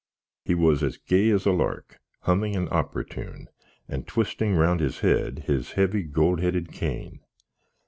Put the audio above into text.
He was as gay as a lark, humming an Oppra tune, and twizzting round his head his hevy gold headed cane.